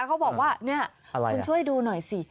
เขาบอกว่าเนี่ยคุณช่วยดูหน่อยสิ